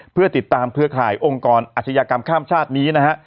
เพื่อติดตามเครือข่ายองค์กรอาชญากรรมข้ามชาตินี้นะฮะ